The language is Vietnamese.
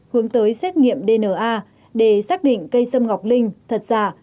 hướng tới xét nghiệm dna để xác định cây sâm ngọc linh thật giả